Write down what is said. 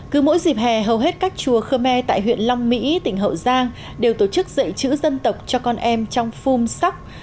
cứ mỗi dịp hè hầu hết các chùa khơ me tại huyện long mỹ tỉnh hậu giang đều tổ chức dạy chữ dân tộc cho con em trong phun sóc